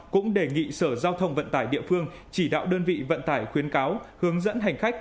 cũng đề nghị sở giao thông vận tải địa phương chỉ đạo đơn vị vận tải khuyến cáo hướng dẫn hành khách